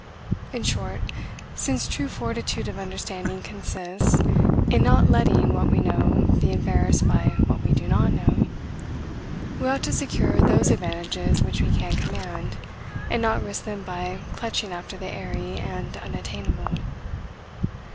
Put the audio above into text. In short, since true fortitude of understanding consists "in not letting what we know be embarrassed by what we do not know," we ought to secure those advantages which we can command, and not risk them by clutching after the airy and unattainable.